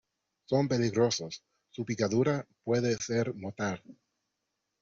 son peligrosos. su picadura puede ser mortal .